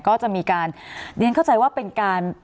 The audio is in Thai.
ก็จะมีการเรียนเข้าใจว่าเป็นการ